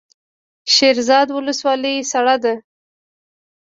شیرزاد ولسوالۍ سړه ده؟